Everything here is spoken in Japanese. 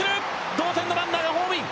同点のランナーがホームイン。